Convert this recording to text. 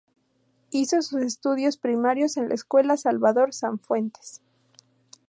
Hizo sus estudios primarios en la Escuela Salvador Sanfuentes.